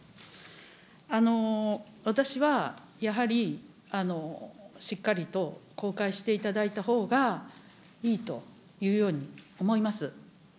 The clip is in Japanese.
私はやはり、しっかりと公開していただいたほうがいいというように思います。